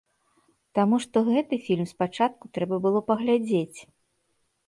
Таму што гэты фільм спачатку трэба было паглядзець.